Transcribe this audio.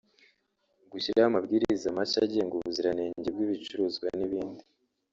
gushyiraho amabwiriza mashya agenga ubuziranenge bw’ibicuruzwa n’ibindi